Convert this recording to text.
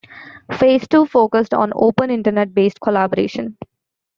Phase Two focused on Open Internet based collaboration.